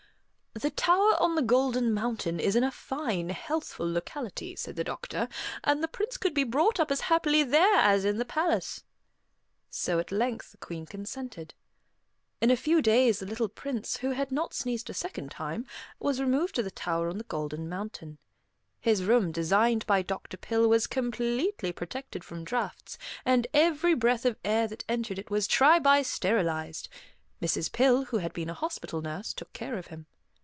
"The tower on the Golden Mountain is in a fine healthful locality," said the doctor, "and the Prince could be brought up as happily there as in the palace." So at length the Queen consented. In a few days the little Prince, who had not sneezed a second time, was removed to the tower on the Golden Mountain. His room, designed by Doctor Pill, was completely protected from draughts, and every breath of air that entered it was tri bi sterilized. Mrs. Pill, who had been a hospital nurse, took care of him.